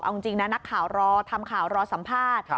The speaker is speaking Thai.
เอาจริงนะนักข่าวรอทำข่าวรอสัมภาษณ์